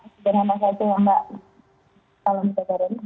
sebenarnya mbak nuzi itu yang mbak kalau menjelaskan ini